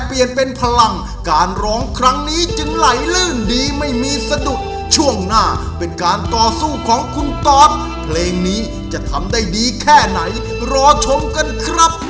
เพลงนี้จะทำได้ดีแค่ไหนรอชมกันครับ